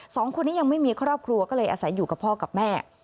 สองคนนี้ยังไม่มีครอบครัวก็เลยอาศัยอยู่กับพ่อกับแม่